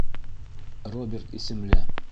Роберт исемле.